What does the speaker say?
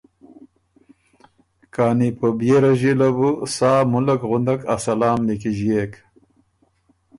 کانی په بيې رݫي له بو سا ملّک غندک ا سلام نیکیݫيېک